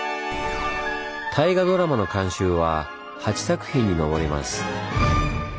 大河ドラマの監修は８作品に上ります。